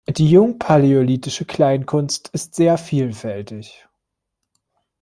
Die jungpaläolithische Kleinkunst ist sehr vielfältig.